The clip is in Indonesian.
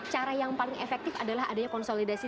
cara yang paling efektif adalah adanya konsolidasi